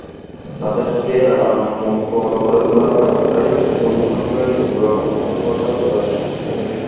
তাঁদেরকে আবার মুখর করে তোলার কাজটায় কোহলির সঙ্গে যোগ্য সংগত যুবরাজ সিংয়ের।